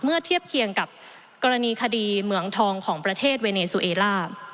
เทียบเคียงกับกรณีคดีเหมืองทองของประเทศเวเนซูเอล่า